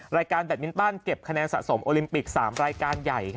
แบตมินตันเก็บคะแนนสะสมโอลิมปิก๓รายการใหญ่